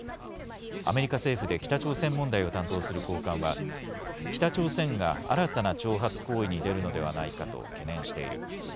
アメリカ政府で北朝鮮問題を担当する高官は、北朝鮮が新たな挑発行為に出るのではないかと懸念している。